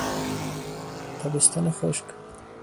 تابستان خشک